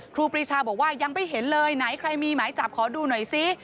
ครูปรีชาบอกว่ายังไม่เห็นเลยไหนใครมีหมายจับขอดูหน่อยซิ